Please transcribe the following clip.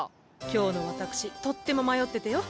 今日の私とっても迷っててよ。